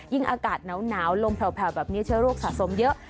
อากาศหนาวลมแผลวแบบนี้เชื้อโรคสะสมเยอะ